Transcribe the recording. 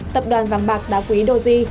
tập đoàn vàng bạc đá quý doji